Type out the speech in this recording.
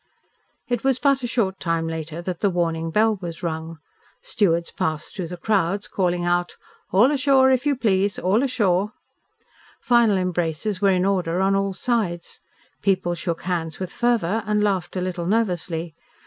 It was but a short time later that the warning bell was rung. Stewards passed through the crowds calling out, "All ashore, if you please all ashore." Final embraces were in order on all sides. People shook hands with fervour and laughed a little nervously.